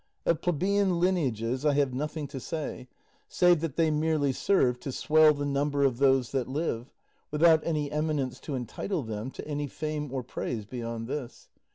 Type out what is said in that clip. Of plebeian lineages I have nothing to say, save that they merely serve to swell the number of those that live, without any eminence to entitle them to any fame or praise beyond this.